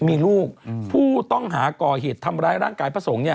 มีลูกผู้ต้องหาก่อเหตุทำร้ายร่างกายพระสงฆ์เนี่ย